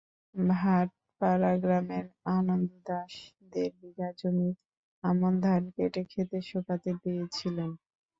ভাটপাড়া গ্রামের আনন্দ দাস দেড় বিঘা জমির আমন ধান কেটে খেতে শুকাতে দিয়েছিলেন।